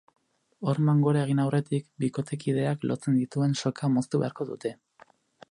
Horman gora egin aurretik, bikotekideak lotzen dituen soka moztu beharko dute.